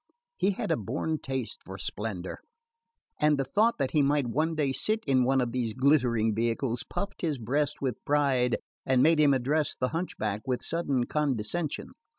He had a born taste for splendour, and the thought that he might one day sit in one of these glittering vehicles puffed his breast with pride and made him address the hunchback with sudden condescension.